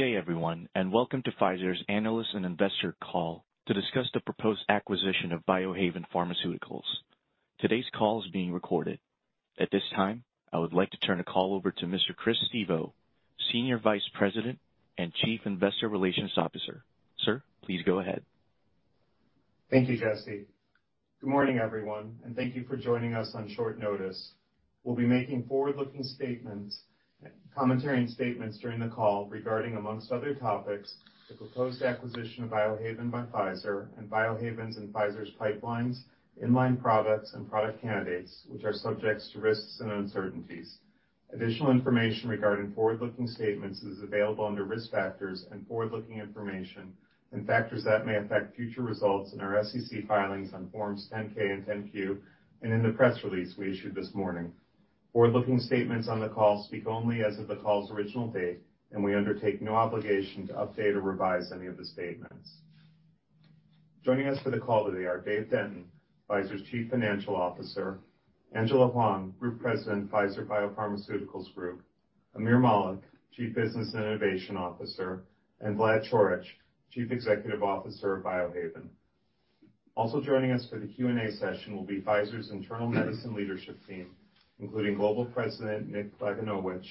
Good day, everyone, and welcome to Pfizer's Analyst and Investor call to discuss the proposed acquisition of Biohaven Pharmaceuticals. Today's call is being recorded. At this time, I would like to turn the call over to Mr. Christopher Stevo, Senior Vice President and Chief Investor Relations Officer. Sir, please go ahead. Thank you, Jesse. Good morning, everyone, and thank you for joining us on short notice. We'll be making forward-looking statements, commentary and statements during the call regarding, among other topics, the proposed acquisition of Biohaven by Pfizer and Biohaven's and Pfizer's pipelines, in-line products and product candidates, which are subject to risks and uncertainties. Additional information regarding forward-looking statements is available under Risk Factors and Forward-Looking Information and factors that may affect future results in our SEC filings on forms 10-K and 10-Q, and in the press release we issued this morning. Forward-looking statements on the call speak only as of the call's original date, and we undertake no obligation to update or revise any of the statements. Joining us for the call today are David Denton, Pfizer's Chief Financial Officer, Angela Hwang, Group President, Pfizer Biopharmaceuticals Group, Aamir Malik, Chief Business and Innovation Officer, and Vlad Coric, Chief Executive Officer of Biohaven. Also joining us for the Q&A session will be Pfizer's internal medicine leadership team, including Global President Nick Lagunowich,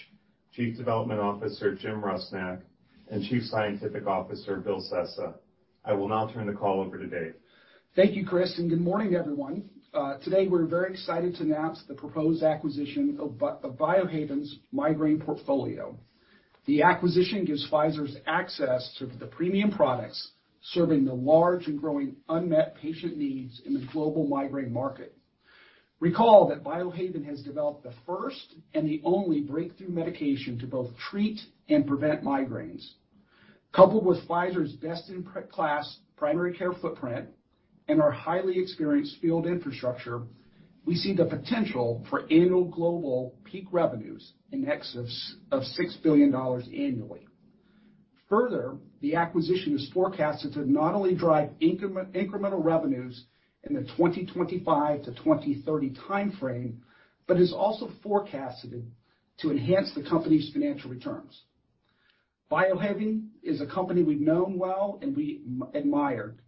Chief Development Officer Jim Rusnak, and Chief Scientific Officer Bill Sessa. I will now turn the call over to Dave. Thank you, Chris, and good morning, everyone. Today we're very excited to announce the proposed acquisition of Biohaven's migraine portfolio. The acquisition gives Pfizer's access to the premium products serving the large and growing unmet patient needs in the global migraine market. Recall that Biohaven has developed the first and the only breakthrough medication to both treat and prevent migraines. Coupled with Pfizer's best-in-class primary care footprint and our highly experienced field infrastructure, we see the potential for annual global peak revenues in excess of $6 billion annually. Further, the acquisition is forecasted to not only drive incremental revenues in the 2025 to 2030 timeframe, but is also forecasted to enhance the company's financial returns. Biohaven is a company we've known well and admired,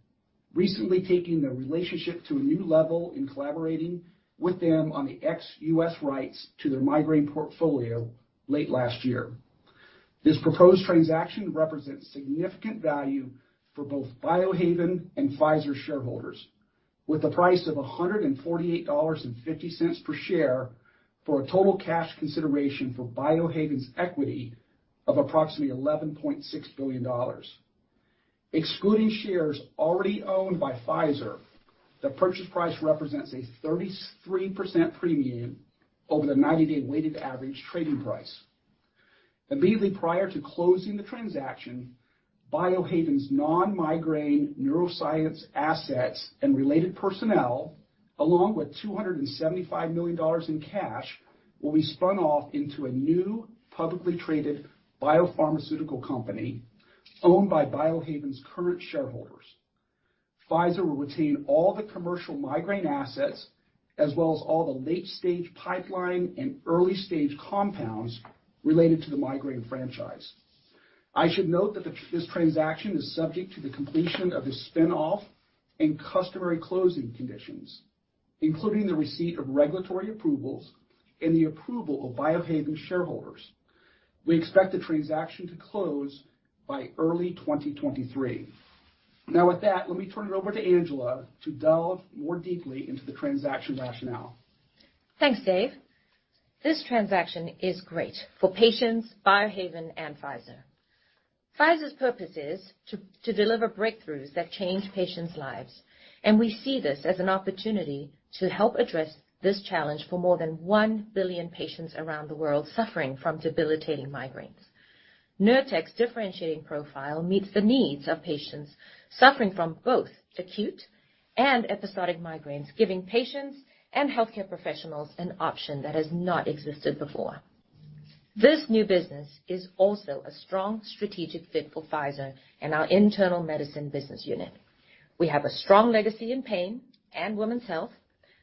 recently taking the relationship to a new level in collaborating with them on the ex-US rights to their migraine portfolio late last year. This proposed transaction represents significant value for both Biohaven and Pfizer shareholders. With a price of $148.50 per share for a total cash consideration for Biohaven's equity of approximately $11.6 billion. Excluding shares already owned by Pfizer, the purchase price represents a 33% premium over the 90-day weighted average trading price. Immediately prior to closing the transaction, Biohaven's non-migraine neuroscience assets and related personnel, along with $275 million in cash, will be spun off into a new publicly traded biopharmaceutical company owned by Biohaven's current shareholders. Pfizer will retain all the commercial migraine assets as well as all the late-stage pipeline and early-stage compounds related to the migraine franchise. I should note that this transaction is subject to the completion of the spin-off and customary closing conditions, including the receipt of regulatory approvals and the approval of Biohaven shareholders. We expect the transaction to close by early 2023. Now with that, let me turn it over to Angela to delve more deeply into the transaction rationale. Thanks, Dave. This transaction is great for patients, Biohaven and Pfizer. Pfizer's purpose is to deliver breakthroughs that change patients' lives, and we see this as an opportunity to help address this challenge for more than 1 billion patients around the world suffering from debilitating migraines. Nurtec's differentiating profile meets the needs of patients suffering from both acute and episodic migraines, giving patients and healthcare professionals an option that has not existed before. This new business is also a strong strategic fit for Pfizer and our internal medicine business unit. We have a strong legacy in pain and women's health,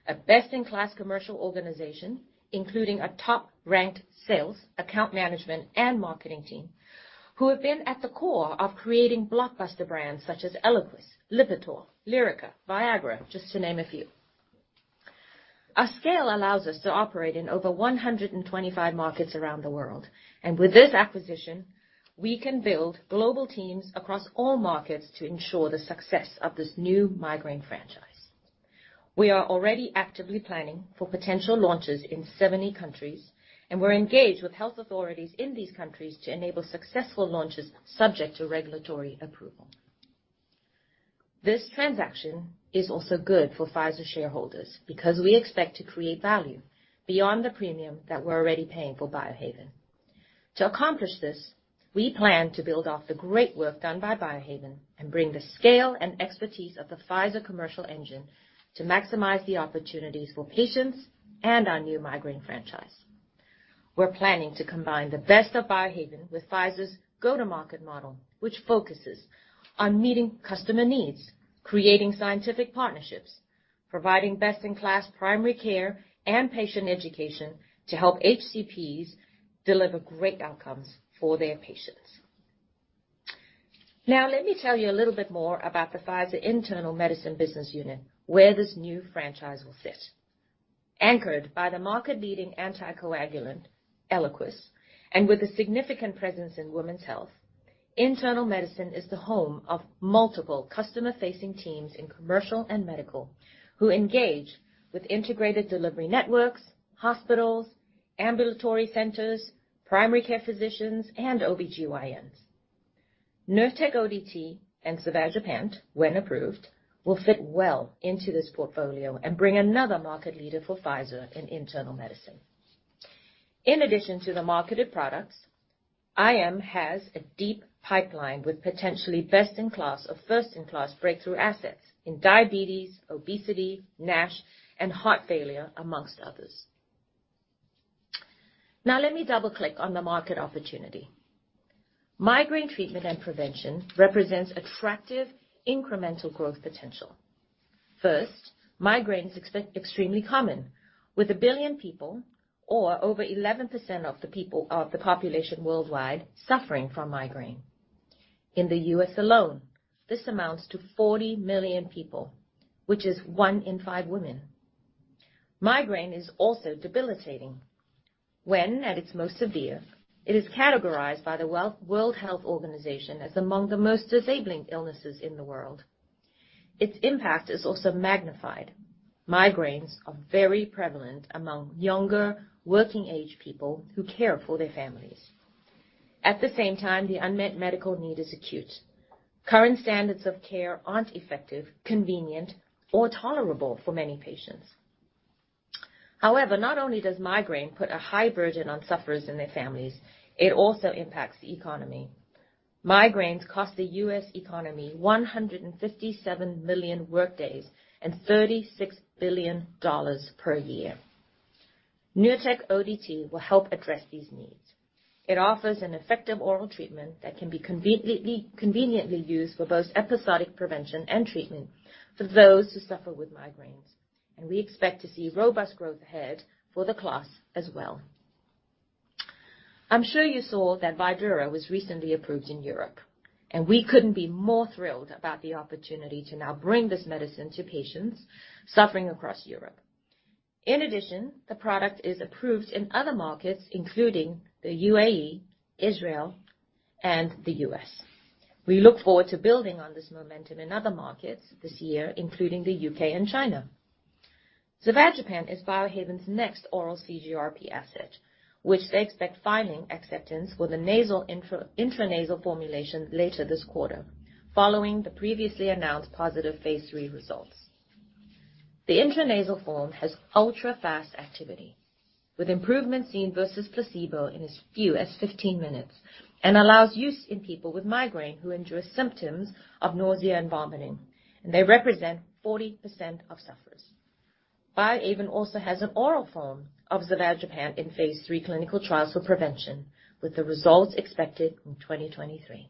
a best-in-class commercial organization, including a top-ranked sales, account management and marketing team, who have been at the core of creating blockbuster brands such as Eliquis, Lipitor, Lyrica, Viagra, just to name a few. Our scale allows us to operate in over 125 markets around the world, and with this acquisition, we can build global teams across all markets to ensure the success of this new migraine franchise. We are already actively planning for potential launches in 70 countries, and we're engaged with health authorities in these countries to enable successful launches subject to regulatory approval. This transaction is also good for Pfizer shareholders because we expect to create value beyond the premium that we're already paying for Biohaven. To accomplish this, we plan to build off the great work done by Biohaven and bring the scale and expertise of the Pfizer commercial engine to maximize the opportunities for patients and our new migraine franchise. We're planning to combine the best of Biohaven with Pfizer's go-to-market model, which focuses on meeting customer needs, creating scientific partnerships, providing best-in-class primary care and patient education to help HCPs deliver great outcomes for their patients. Now, let me tell you a little bit more about the Pfizer internal medicine business unit, where this new franchise will fit. Anchored by the market-leading anticoagulant, Eliquis, and with a significant presence in women's health, internal medicine is the home of multiple customer-facing teams in commercial and medical, who engage with integrated delivery networks, hospitals, ambulatory centers, primary care physicians, and OBGYNs. Nurtec ODT and zavegepant, when approved, will fit well into this portfolio and bring another market leader for Pfizer in internal medicine. In addition to the marketed products, IM has a deep pipeline with potentially best-in-class or first-in-class breakthrough assets in diabetes, obesity, NASH, and heart failure, amongst others. Now, let me double-click on the market opportunity. Migraine treatment and prevention represents attractive incremental growth potential. First, migraine is extremely common, with 1 billion people, or over 11% of the population worldwide suffering from migraine. In the U.S. alone, this amounts to 40 million people, which is one in five women. Migraine is also debilitating. At its most severe, it is categorized by the World Health Organization as among the most disabling illnesses in the world. Its impact is also magnified. Migraines are very prevalent among younger, working-age people who care for their families. At the same time, the unmet medical need is acute. Current standards of care aren't effective, convenient, or tolerable for many patients. However, not only does migraine put a high burden on sufferers and their families, it also impacts the economy. Migraines cost the U.S. Economy 157 million workdays and $36 billion per year. Nurtec ODT will help address these needs. It offers an effective oral treatment that can be conveniently used for both episodic prevention and treatment for those who suffer with migraines, and we expect to see robust growth ahead for the class as well. I'm sure you saw that Vydura was recently approved in Europe, and we couldn't be more thrilled about the opportunity to now bring this medicine to patients suffering across Europe. In addition, the product is approved in other markets, including the UAE, Israel, and the U.S. We look forward to building on this momentum in other markets this year, including the UK and China. Zavegepant is Biohaven's next oral CGRP asset, which they expect filing acceptance for the nasal intranasal formulation later this quarter, following the previously announced positive phase 3 results. The intranasal form has ultra-fast activity with improvements seen versus placebo in as few as 15 minutes and allows use in people with migraine who endure symptoms of nausea and vomiting, and they represent 40% of sufferers. Biohaven also has an oral form of zavegepant in phase 3 clinical trials for prevention, with the results expected in 2023.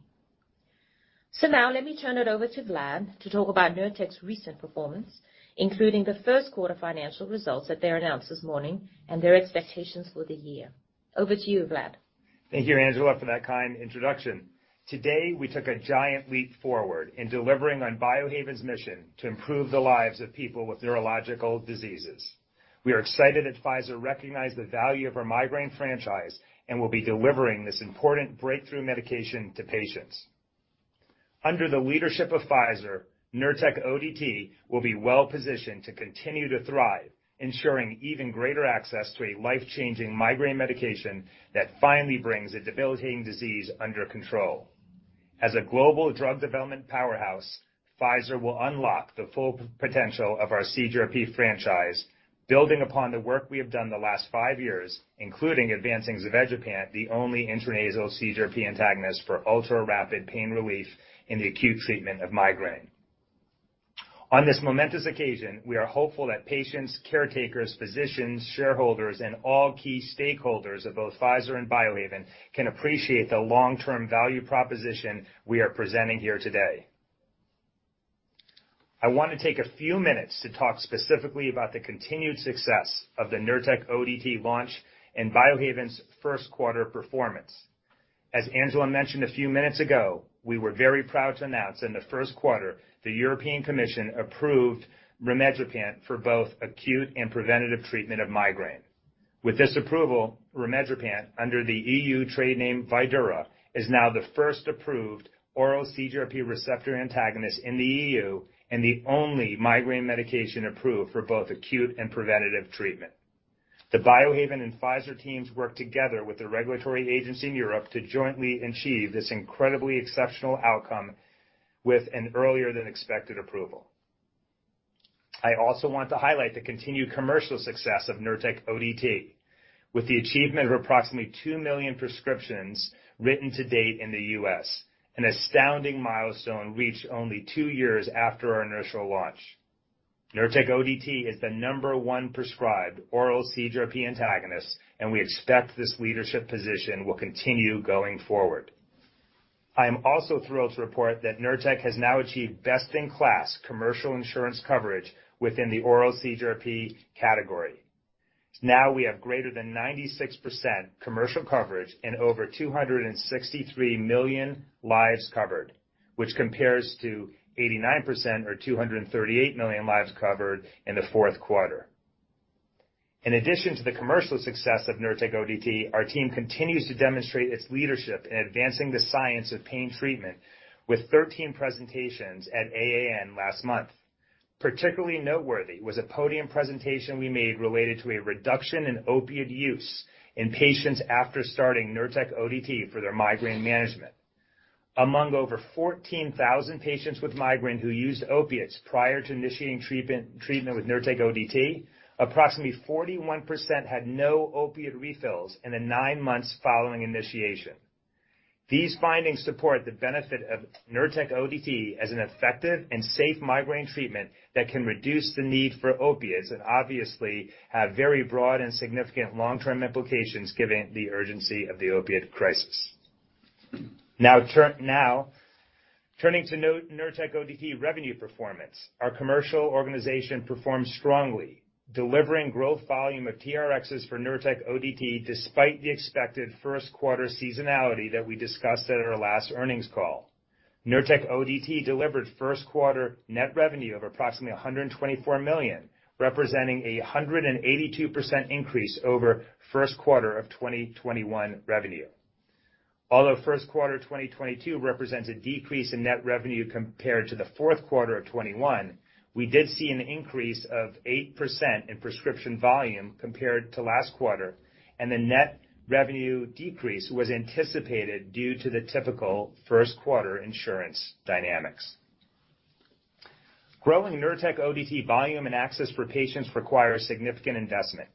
Now let me turn it over to Vlad to talk about Nurtec's recent performance, including the first quarter financial results that they announced this morning and their expectations for the year. Over to you, Vlad. Thank you, Angela, for that kind introduction. Today, we took a giant leap forward in delivering on Biohaven's mission to improve the lives of people with neurological diseases. We are excited that Pfizer recognized the value of our migraine franchise and will be delivering this important breakthrough medication to patients. Under the leadership of Pfizer, Nurtec ODT will be well-positioned to continue to thrive, ensuring even greater access to a life-changing migraine medication that finally brings a debilitating disease under control. As a global drug development powerhouse, Pfizer will unlock the full potential of our CGRP franchise, building upon the work we have done the last five years, including advancing zavegepant, the only intranasal CGRP antagonist for ultra-rapid pain relief in the acute treatment of migraine. On this momentous occasion, we are hopeful that patients, caretakers, physicians, shareholders, and all key stakeholders of both Pfizer and Biohaven can appreciate the long-term value proposition we are presenting here today. I want to take a few minutes to talk specifically about the continued success of the Nurtec ODT launch and Biohaven's first quarter performance. As Angela mentioned a few minutes ago, we were very proud to announce in the first quarter. The European Commission approved rimegepant for both acute and preventative treatment of migraine. With this approval, rimegepant, under the EU trade name Vydura, is now the first approved oral CGRP receptor antagonist in the EU and the only migraine medication approved for both acute and preventative treatment. The Biohaven and Pfizer teams worked together with the regulatory agency in Europe to jointly achieve this incredibly exceptional outcome with an earlier than expected approval. I also want to highlight the continued commercial success of Nurtec ODT with the achievement of approximately 2 million prescriptions written to date in the U.S., an astounding milestone reached only two years after our initial launch. Nurtec ODT is the number one prescribed oral CGRP antagonist, and we expect this leadership position will continue going forward. I am also thrilled to report that Nurtec has now achieved best in class commercial insurance coverage within the oral CGRP category. Now we have greater than 96% commercial coverage and over 263 million lives covered, which compares to 89% or 238 million lives covered in the fourth quarter. In addition to the commercial success of Nurtec ODT, our team continues to demonstrate its leadership in advancing the science of pain treatment with 13 presentations at AAN last month. Particularly noteworthy was a podium presentation we made related to a reduction in opiate use in patients after starting Nurtec ODT for their migraine management. Among over 14,000 patients with migraine who used opiates prior to initiating treatment with Nurtec ODT, approximately 41% had no opiate refills in the nine months following initiation. These findings support the benefit of Nurtec ODT as an effective and safe migraine treatment that can reduce the need for opiates and obviously have very broad and significant long-term implications given the urgency of the opiate crisis. Now turning to Nurtec ODT revenue performance. Our commercial organization performed strongly, delivering growth volume of TRXs for Nurtec ODT despite the expected first quarter seasonality that we discussed at our last earnings call. Nurtec ODT delivered first quarter net revenue of approximately $124 million, representing a 182% increase over first quarter of 2021 revenue. Although first quarter 2022 represents a decrease in net revenue compared to the fourth quarter of 2021, we did see an increase of 8% in prescription volume compared to last quarter, and the net revenue decrease was anticipated due to the typical first quarter insurance dynamics. Growing Nurtec ODT volume and access for patients requires significant investment.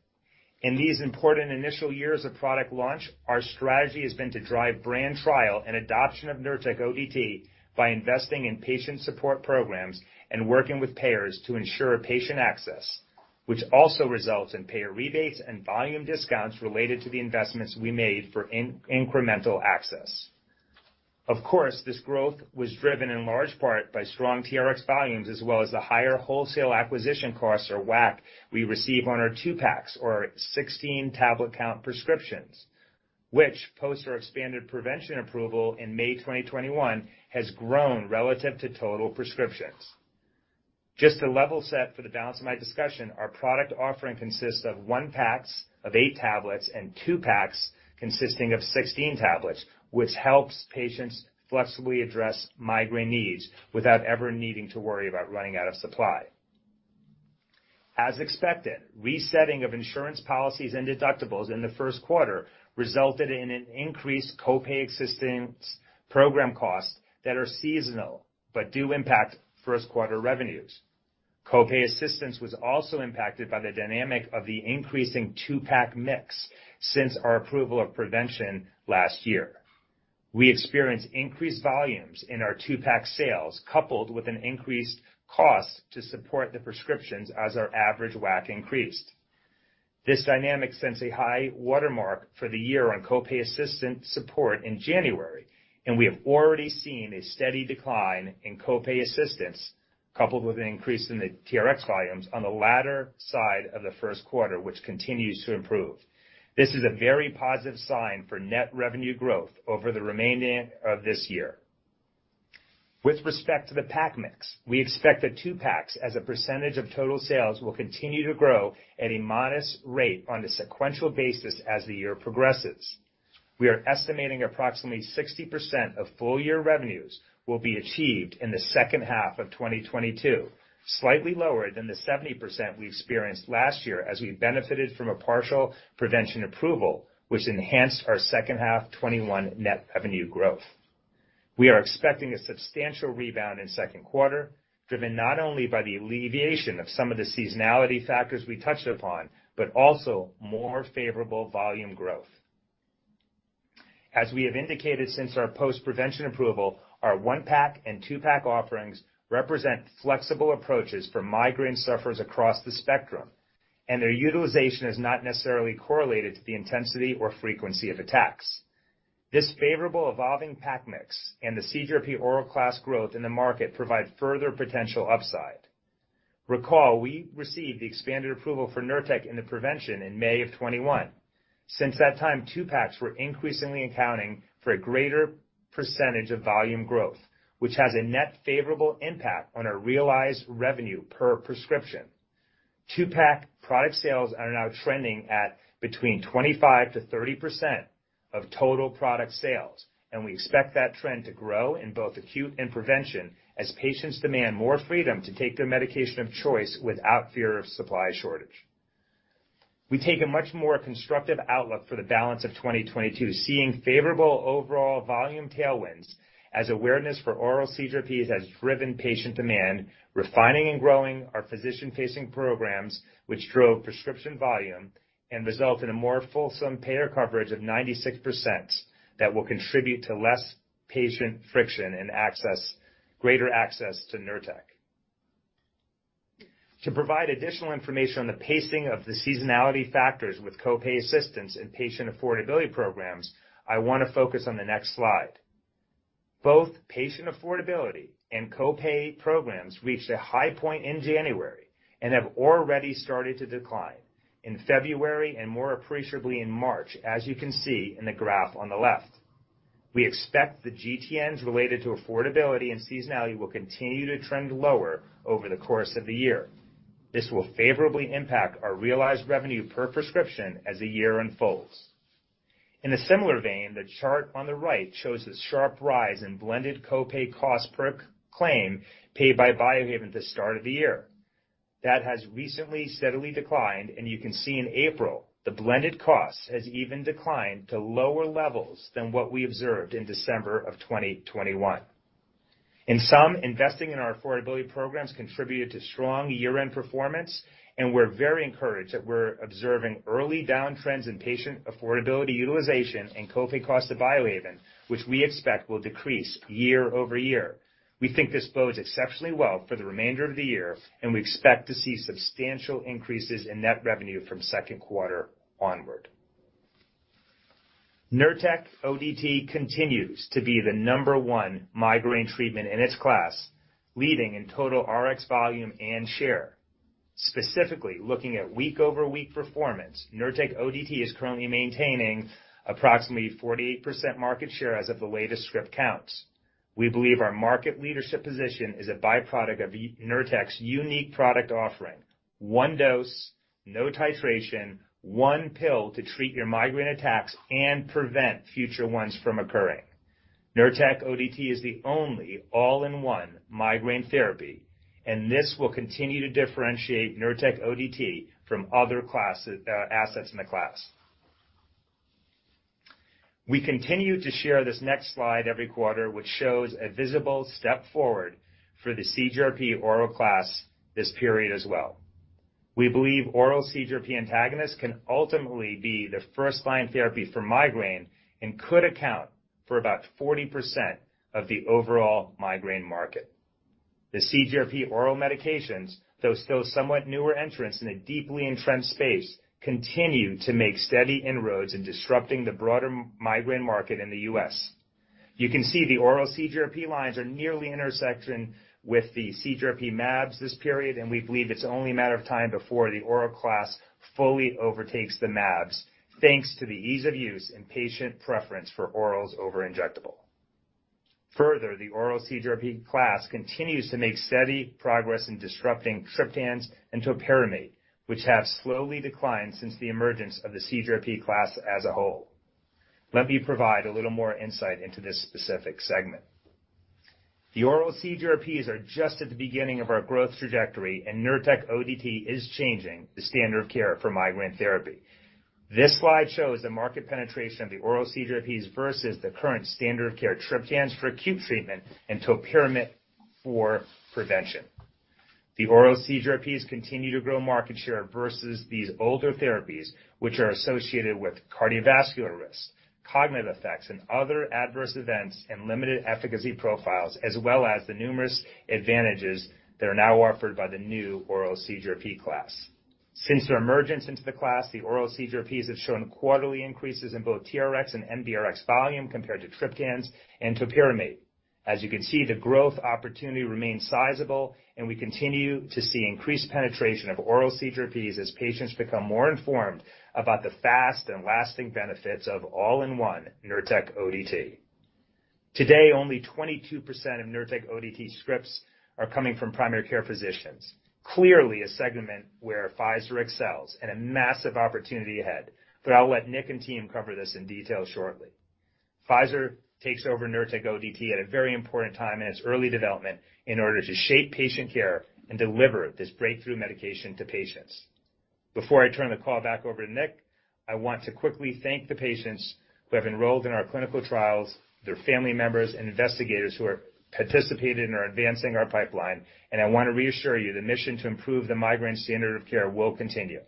In these important initial years of product launch, our strategy has been to drive brand trial and adoption of Nurtec ODT by investing in patient support programs and working with payers to ensure patient access, which also results in payer rebates and volume discounts related to the investments we made for incremental access. Of course, this growth was driven in large part by strong TRX volumes as well as the higher wholesale acquisition costs or WAC we receive on our two-packs or 16-tablet count prescriptions, which post our expanded prevention approval in May 2021, has grown relative to total prescriptions. Just to level set for the balance of my discussion, our product offering consists of one packs of eight tablets and two-packs consisting of 16 tablets, which helps patients flexibly address migraine needs without ever needing to worry about running out of supply. As expected, resetting of insurance policies and deductibles in the first quarter resulted in an increased co-pay assistance program costs that are seasonal but do impact first quarter revenues. Co-pay assistance was also impacted by the dynamic of the increasing two-pack mix since our approval of prevention last year. We experienced increased volumes in our two-pack sales, coupled with an increased cost to support the prescriptions as our average WAC increased. This dynamic sets a high watermark for the year on co-pay assistance support in January, and we have already seen a steady decline in co-pay assistance coupled with an increase in the TRX volumes on the latter side of the first quarter, which continues to improve. This is a very positive sign for net revenue growth over the remainder of this year. With respect to the pack mix, we expect the two-packs as a percentage of total sales will continue to grow at a modest rate on a sequential basis as the year progresses. We are estimating approximately 60% of full-year revenues will be achieved in the second half of 2022, slightly lower than the 70% we experienced last year as we benefited from a partial prevention approval, which enhanced our second half 2021 net revenue growth. We are expecting a substantial rebound in second quarter, driven not only by the alleviation of some of the seasonality factors we touched upon, but also more favorable volume growth. As we have indicated since our post-prevention approval, our one-pack and two-pack offerings represent flexible approaches for migraine sufferers across the spectrum, and their utilization is not necessarily correlated to the intensity or frequency of attacks. This favorable evolving pack mix and the CGRP oral class growth in the market provide further potential upside. Recall, we received the expanded approval for Nurtec in the prevention in May of 2021. Since that time, two-packs were increasingly accounting for a greater percentage of volume growth, which has a net favorable impact on our realized revenue per prescription. Two-pack product sales are now trending at between 25%-30% of total product sales, and we expect that trend to grow in both acute and prevention as patients demand more freedom to take their medication of choice without fear of supply shortage. We take a much more constructive outlook for the balance of 2022, seeing favorable overall volume tailwinds as awareness for oral CGRPs has driven patient demand, refining and growing our physician-facing programs, which drove prescription volume and result in a more fulsome payer coverage of 96% that will contribute to less patient friction and greater access to Nurtec. To provide additional information on the pacing of the seasonality factors with co-pay assistance and patient affordability programs, I want to focus on the next slide. Both patient affordability and co-pay programs reached a high point in January and have already started to decline in February and more appreciably in March, as you can see in the graph on the left. We expect the GTNs related to affordability and seasonality will continue to trend lower over the course of the year. This will favorably impact our realized revenue per prescription as the year unfolds. In a similar vein, the chart on the right shows the sharp rise in blended co-pay cost per claim paid by Biohaven at the start of the year. That has recently steadily declined, and you can see in April the blended cost has even declined to lower levels than what we observed in December of 2021. In sum, investing in our affordability programs contributed to strong year-end performance, and we're very encouraged that we're observing early down trends in patient affordability utilization and co-pay cost of Biohaven, which we expect will decrease year-over-year. We think this bodes exceptionally well for the remainder of the year, and we expect to see substantial increases in net revenue from second quarter onward. Nurtec ODT continues to be the number one migraine treatment in its class, leading in total RX volume and share. Specifically, looking at week-over-week performance, Nurtec ODT is currently maintaining approximately 48% market share as of the latest script counts. We believe our market leadership position is a byproduct of Nurtec's unique product offering. One dose, no titration, one pill to treat your migraine attacks and prevent future ones from occurring. Nurtec ODT is the only all-in-one migraine therapy, and this will continue to differentiate Nurtec ODT from other class assets in the class. We continue to share this next slide every quarter, which shows a visible step forward for the CGRP oral class this period as well. We believe oral CGRP antagonists can ultimately be the first-line therapy for migraine and could account for about 40% of the overall migraine market. The CGRP oral medications, though still somewhat newer entrants in a deeply entrenched space, continue to make steady inroads in disrupting the broader migraine market in the U.S. You can see the oral CGRP lines are nearly intersecting with the CGRP mAbs this period, and we believe it's only a matter of time before the oral class fully overtakes the mAbs, thanks to the ease of use and patient preference for orals over injectables. Further, the oral CGRP class continues to make steady progress in disrupting triptans and topiramate, which have slowly declined since the emergence of the CGRP class as a whole. Let me provide a little more insight into this specific segment. The oral CGRPs are just at the beginning of our growth trajectory, and Nurtec ODT is changing the standard of care for migraine therapy. This slide shows the market penetration of the oral CGRPs versus the current standard of care triptans for acute treatment and topiramate for prevention. The oral CGRPs continue to grow market share versus these older therapies, which are associated with cardiovascular risks, cognitive effects, and other adverse events and limited efficacy profiles, as well as the numerous advantages that are now offered by the new oral CGRP class. Since their emergence into the class, the oral CGRPs have shown quarterly increases in both TRX and NBRX volume compared to triptans and topiramate. As you can see, the growth opportunity remains sizable, and we continue to see increased penetration of oral CGRPs as patients become more informed about the fast and lasting benefits of all-in-one Nurtec ODT. Today, only 22% of Nurtec ODT scripts are coming from primary care physicians, clearly a segment where Pfizer excels and a massive opportunity ahead. I'll let Nick and team cover this in detail shortly. Pfizer takes over Nurtec ODT at a very important time in its early development in order to shape patient care and deliver this breakthrough medication to patients. Before I turn the call back over to Nick, I want to quickly thank the patients who have enrolled in our clinical trials, their family members and investigators who have participated and are advancing our pipeline. I want to reassure you the mission to improve the migraine standard of care will continue.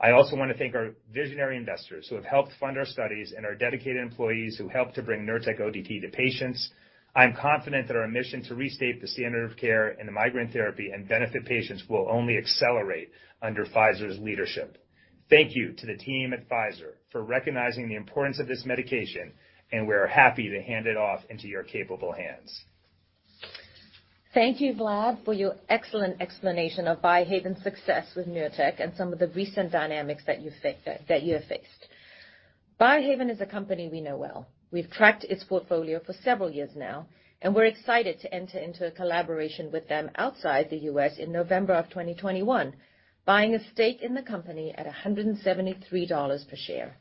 I also want to thank our visionary investors who have helped fund our studies and our dedicated employees who helped to bring Nurtec ODT to patients. I'm confident that our mission to restate the standard of care in the migraine therapy and benefit patients will only accelerate under Pfizer's leadership. Thank you to the team at Pfizer for recognizing the importance of this medication, and we are happy to hand it off into your capable hands. Thank you, Vlad, for your excellent explanation of Biohaven's success with Nurtec and some of the recent dynamics that you have faced. Biohaven is a company we know well. We've tracked its portfolio for several years now, and we're excited to enter into a collaboration with them outside the US in November 2021, buying a stake in the company at $173 per share.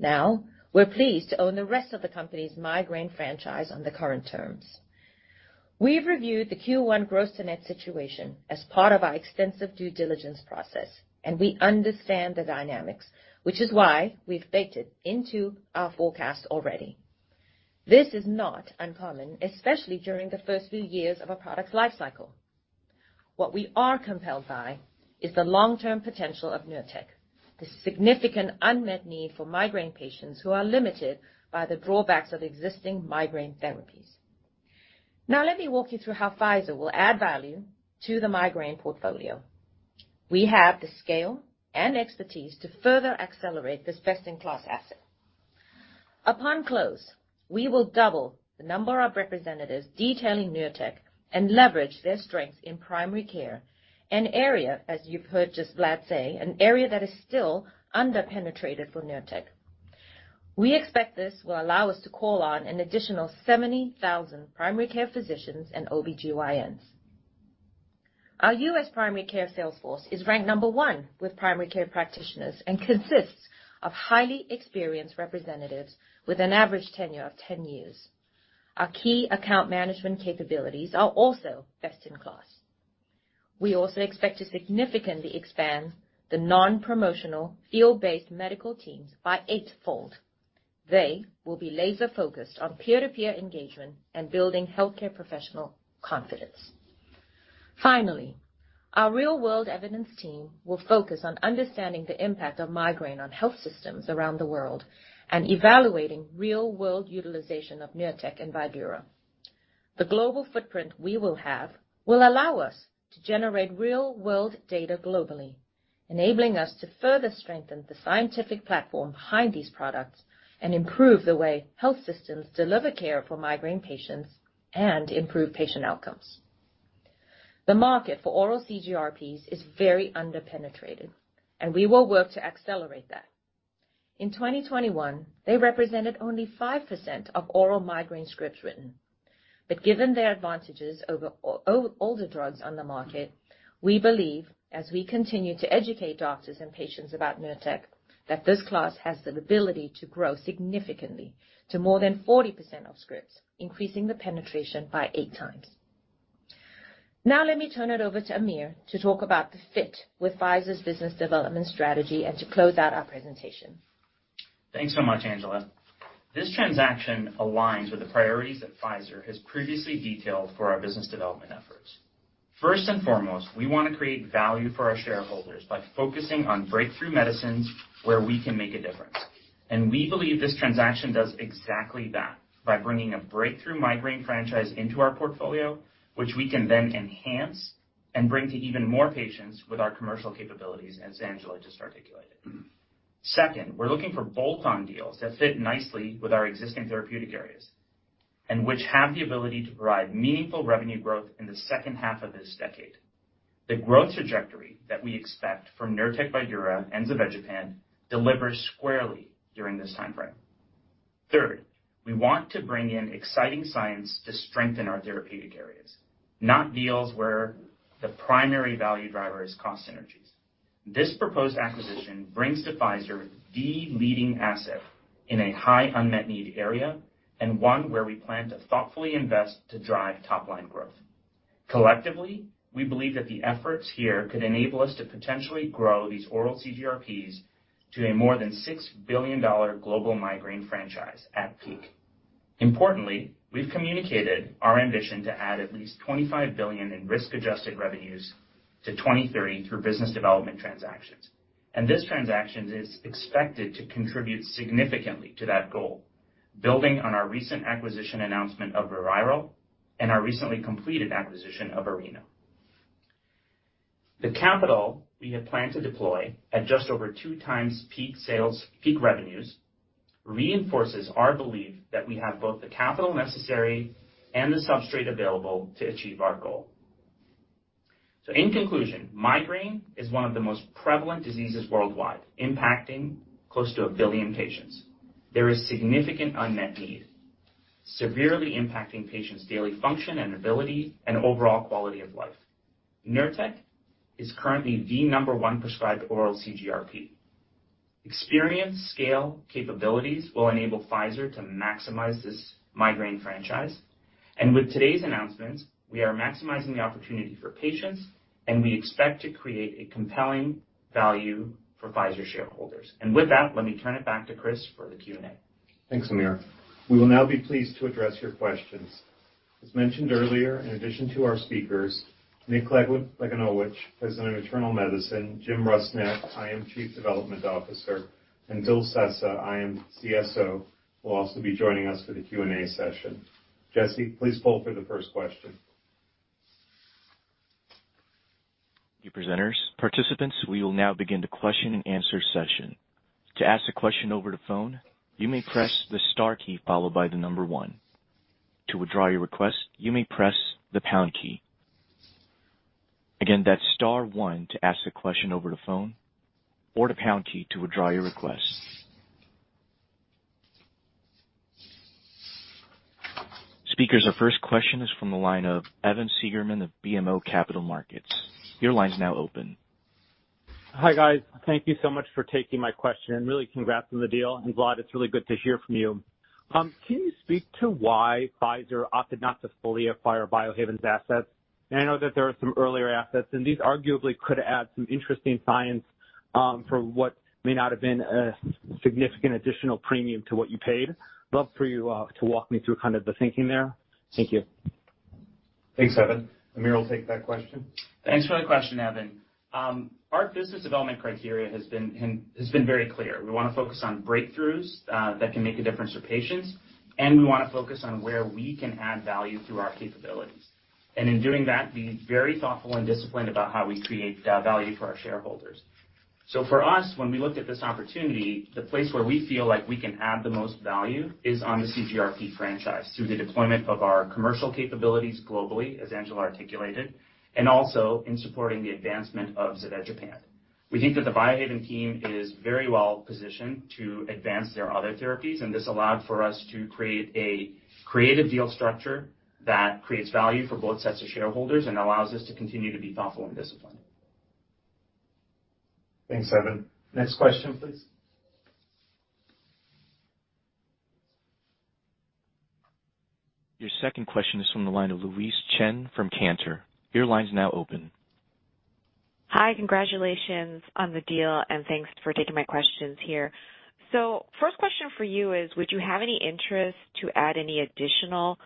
Now, we're pleased to own the rest of the company's migraine franchise on the current terms. We've reviewed the Q1 growth to net situation as part of our extensive due diligence process, and we understand the dynamics, which is why we've baked it into our forecast already. This is not uncommon, especially during the first few years of a product's life cycle. What we are compelled by is the long-term potential of Nurtec. The significant unmet need for migraine patients who are limited by the drawbacks of existing migraine therapies. Now, let me walk you through how Pfizer will add value to the migraine portfolio. We have the scale and expertise to further accelerate this best-in-class asset. Upon close, we will double the number of representatives detailing Nurtec and leverage their strengths in primary care, an area, as you've heard just Vlad say, an area that is still under-penetrated for Nurtec. We expect this will allow us to call on an additional 70,000 primary care physicians and OB-GYNs. Our U.S. primary care sales force is ranked number one with primary care practitioners and consists of highly experienced representatives with an average tenure of 10 years. Our key account management capabilities are also best in class. We also expect to significantly expand the non-promotional field-based medical teams by eightfold. They will be laser-focused on peer-to-peer engagement and building healthcare professional confidence. Finally, our real-world evidence team will focus on understanding the impact of migraine on health systems around the world and evaluating real-world utilization of Nurtec and Vydura. The global footprint we will have will allow us to generate real-world data globally, enabling us to further strengthen the scientific platform behind these products and improve the way health systems deliver care for migraine patients and improve patient outcomes. The market for oral CGRPs is very under-penetrated, and we will work to accelerate that. In 2021, they represented only 5% of oral migraine scripts written. Given their advantages over older drugs on the market, we believe, as we continue to educate doctors and patients about Nurtec, that this class has the ability to grow significantly to more than 40% of scripts, increasing the penetration by 8x. Now let me turn it over to Aamir to talk about the fit with Pfizer's business development strategy and to close out our presentation. Thanks so much, Angela. This transaction aligns with the priorities that Pfizer has previously detailed for our business development efforts. First and foremost, we wanna create value for our shareholders by focusing on breakthrough medicines where we can make a difference. We believe this transaction does exactly that by bringing a breakthrough migraine franchise into our portfolio, which we can then enhance and bring to even more patients with our commercial capabilities, as Angela just articulated. Second, we're looking for bolt-on deals that fit nicely with our existing therapeutic areas and which have the ability to provide meaningful revenue growth in the second half of this decade. The growth trajectory that we expect from Nurtec, Vydura, and zavegepant delivers squarely during this timeframe. Third, we want to bring in exciting science to strengthen our therapeutic areas, not deals where the primary value driver is cost synergies. This proposed acquisition brings to Pfizer the leading asset in a high unmet need area, and one where we plan to thoughtfully invest to drive top line growth. Collectively, we believe that the efforts here could enable us to potentially grow these oral CGRPs to a more than $6 billion global migraine franchise at peak. Importantly, we've communicated our ambition to add at least $25 billion in risk-adjusted revenues to 2030 through business development transactions, and this transaction is expected to contribute significantly to that goal, building on our recent acquisition announcement of ReViral and our recently completed acquisition of Arena. The capital we have planned to deploy at just over 2x peak sales, peak revenues reinforces our belief that we have both the capital necessary and the substrate available to achieve our goal. In conclusion, migraine is one of the most prevalent diseases worldwide, impacting close to 1 billion patients. There is significant unmet need, severely impacting patients' daily function and ability and overall quality of life. Nurtec is currently the number one prescribed oral CGRP. Experience, scale, capabilities will enable Pfizer to maximize this migraine franchise. With today's announcements, we are maximizing the opportunity for patients, and we expect to create a compelling value for Pfizer shareholders. With that, let me turn it back to Chris for the Q&A. Thanks, Aamir. We will now be pleased to address your questions. As mentioned earlier, in addition to our speakers, Nick Lagunowich, President of Internal Medicine, Jim Rusnak, IM Chief Development Officer, and Bill Sessa, IM CSO, will also be joining us for the Q&A session. Jesse, please poll for the first question. Thank you, presenters. Participants, we will now begin the question and answer session. To ask a question over the phone, you may press the star key followed by the number one. To withdraw your request, you may press the pound key. Again, that's star one to ask the question over the phone or the pound key to withdraw your request. Speakers, our first question is from the line of Evan Seigerman of BMO Capital Markets. Your line's now open. Hi, guys. Thank you so much for taking my question, and really congrats on the deal. Vlad, it's really good to hear from you. Can you speak to why Pfizer opted not to fully acquire Biohaven's assets? I know that there are some earlier assets, and these arguably could add some interesting science, for what may not have been a significant additional premium to what you paid. Love for you to walk me through kind of the thinking there. Thank you. Thanks, Evan. Aamir will take that question. Thanks for the question, Evan. Our business development criteria has been very clear. We wanna focus on breakthroughs that can make a difference for patients, and we wanna focus on where we can add value through our capabilities. In doing that, be very thoughtful and disciplined about how we create value for our shareholders. For us, when we looked at this opportunity, the place where we feel like we can add the most value is on the CGRP franchise through the deployment of our commercial capabilities globally, as Angela articulated, and also in supporting the advancement of zavegepant. We think that the Biohaven team is very well-positioned to advance their other therapies, and this allowed for us to create a creative deal structure that creates value for both sets of shareholders and allows us to continue to be thoughtful and disciplined. Thanks, Evan. Next question, please. Your second question is from the line of Louise Chen from Cantor. Your line's now open. Hi, congratulations on the deal, and thanks for taking my questions here. First question for you is, would you have any interest to add any additional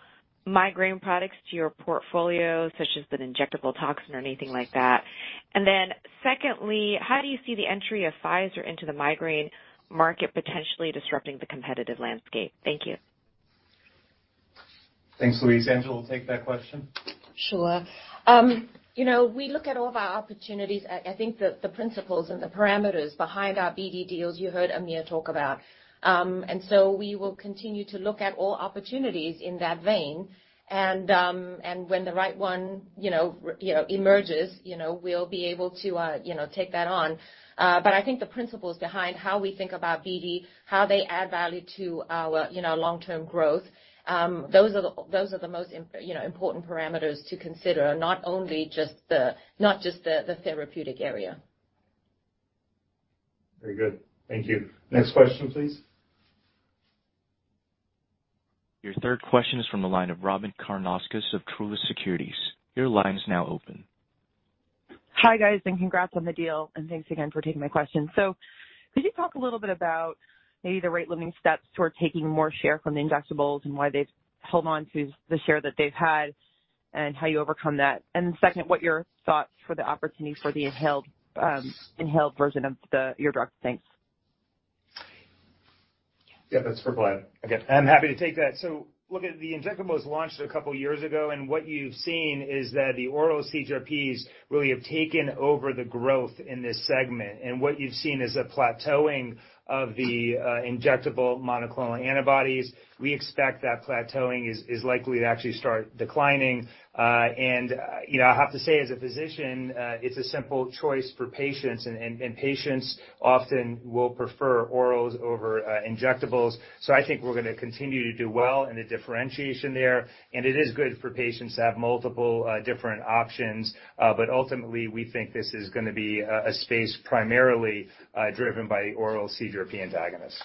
migraine products to your portfolio, such as an injectable toxin or anything like that? Secondly, how do you see the entry of Pfizer into the migraine market potentially disrupting the competitive landscape? Thank you. Thanks, Louise. Angela will take that question. Sure. You know, we look at all of our opportunities. I think the principles and the parameters behind our BD deals you heard Aamir talk about. We will continue to look at all opportunities in that vein, and when the right one you know emerges, you know, we'll be able to you know take that on. I think the principles behind how we think about BD, how they add value to our you know long-term growth, those are the most you know important parameters to consider, not just the therapeutic area. Very good. Thank you. Next question, please. Your third question is from the line of Robyn Karnauskas of Truist Securities. Your line is now open. Hi, guys, and congrats on the deal, and thanks again for taking my question. Could you talk a little bit about maybe the rate-limiting steps toward taking more share from the injectables and why they've held on to the share that they've had and how you overcome that? Second, what's your thoughts for the opportunity for the inhaled version of the ear drops? Thanks. Yeah, that's for Vlad. Okay. I'm happy to take that. Look at the injectable was launched a couple years ago, and what you've seen is that the oral CGRPs really have taken over the growth in this segment. What you've seen is a plateauing of the injectable monoclonal antibodies. We expect that plateauing is likely to actually start declining. You know, I have to say as a physician, it's a simple choice for patients and patients often will prefer orals over injectables. I think we're gonna continue to do well in the differentiation there, and it is good for patients to have multiple different options. But ultimately, we think this is gonna be a space primarily driven by oral CGRP antagonists.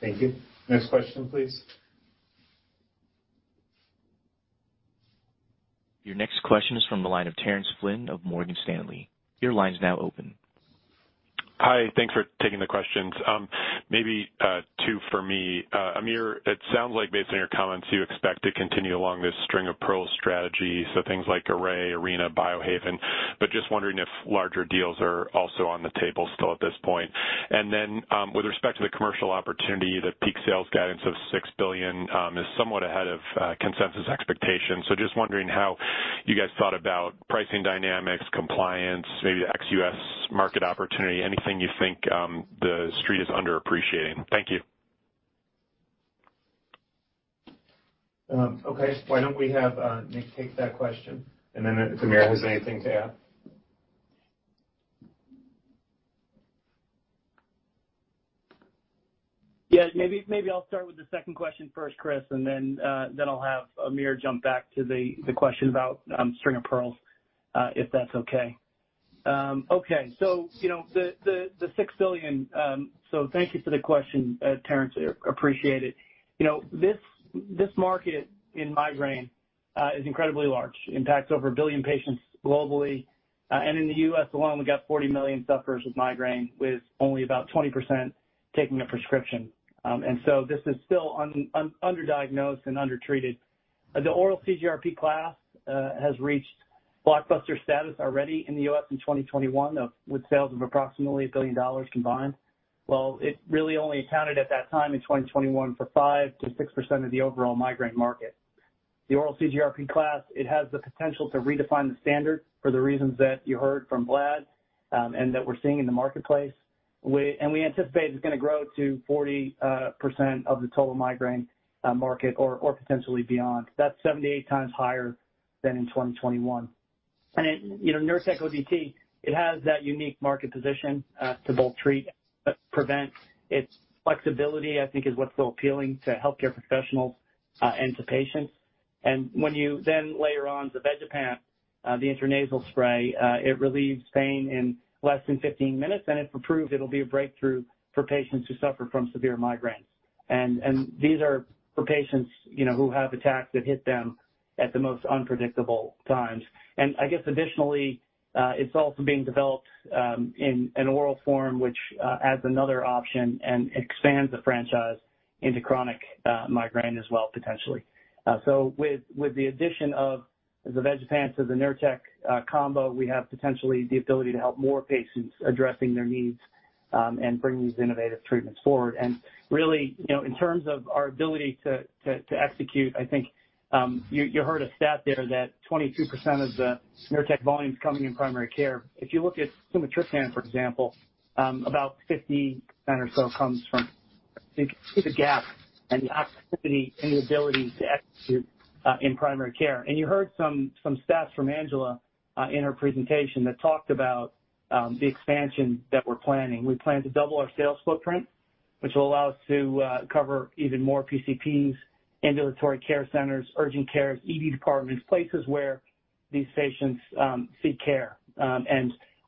Thank you. Next question, please. Your next question is from the line of Terence Flynn of Morgan Stanley. Your line's now open. Hi. Thanks for taking the questions. Maybe two for me. Aamir, it sounds like based on your comments, you expect to continue along this string of pearls strategy, so things like Array, Arena, Biohaven, but just wondering if larger deals are also on the table still at this point. Then, with respect to the commercial opportunity, the peak sales guidance of $6 billion is somewhat ahead of consensus expectations. Just wondering how you guys thought about pricing dynamics, compliance, maybe ex-US market opportunity, anything you think the Street is underappreciating. Thank you. Okay. Why don't we have Nick take that question, and then if Amir has anything to add. Yeah. Maybe I'll start with the second question first, Chris, and then I'll have Aamir jump back to the question about string of pearls, if that's okay. Okay. You know, the $6 billion, so thank you for the question, Terence. Appreciate it. You know, this market in migraine is incredibly large. Impacts over 1 billion patients globally, and in the U.S. alone, we've got 40 million sufferers with migraine, with only about 20% taking a prescription. This is still underdiagnosed and undertreated. The oral CGRP class has reached blockbuster status already in the U.S. in 2021, with sales of approximately $1 billion combined. While it really only accounted at that time in 2021 for 5%-6% of the overall migraine market. The oral CGRP class, it has the potential to redefine the standard for the reasons that you heard from Vlad, and that we're seeing in the marketplace. We anticipate it's gonna grow to 40% of the total migraine market or potentially beyond. That's 78 times higher than in 2021. It, you know, Nurtec ODT, it has that unique market position to both treat but prevent. Its flexibility, I think, is what's so appealing to healthcare professionals and to patients. When you then layer on zavegepant, the intranasal spray, it relieves pain in less than 15 minutes, and if approved, it'll be a breakthrough for patients who suffer from severe migraines. These are for patients, you know, who have attacks that hit them at the most unpredictable times. I guess additionally, it's also being developed in an oral form which adds another option and expands the franchise into chronic migraine as well, potentially. With the addition of the zavegepant of the Nurtec combo, we have potentially the ability to help more patients addressing their needs and bring these innovative treatments forward. Really, you know, in terms of our ability to execute, I think you heard a stat there that 22% of the Nurtec volume is coming in primary care. If you look at sumatriptan, for example, about 50% or so comes from the PCP and the activity and the ability to execute in primary care. You heard some stats from Angela in her presentation that talked about the expansion that we're planning. We plan to double our sales footprint, which will allow us to cover even more PCPs, ambulatory care centers, urgent care, ED departments, places where these patients seek care.